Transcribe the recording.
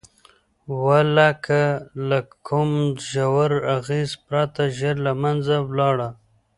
ولکه له کوم ژور اغېز پرته ژر له منځه لاړه.